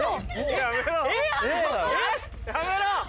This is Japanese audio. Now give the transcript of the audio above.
やめろ！